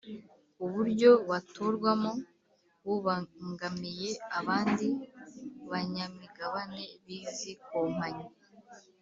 uburyo batorwamo bubangamiye abandi banyamigabane bizi kompanyi